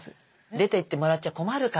出ていってもらっちゃ困るから。